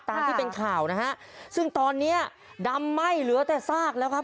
ตามที่เป็นข่าวนะฮะซึ่งตอนเนี้ยดำไหม้เหลือแต่ซากแล้วครับ